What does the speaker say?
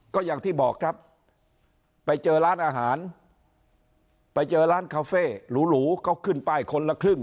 ก็อย่างที่บอกครับไปเจอร้านอาหารไปเจอร้านคาเฟ่หรูเขาขึ้นป้ายคนละครึ่ง